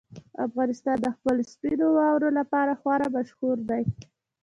افغانستان د خپلو سپینو واورو لپاره خورا مشهور دی.